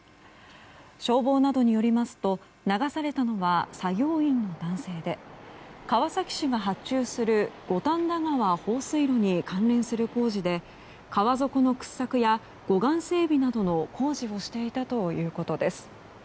消防などによりますと流されたのは作業員の男性で川崎市が発注する五反田川放水路に関連する工事で川底の掘削や護岸整備などの工事をしていたということです。